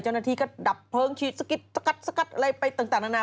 เจ้าหน้าที่ก็ดับเพลิงฉีดสกิดสกัดสกัดอะไรไปต่างนานา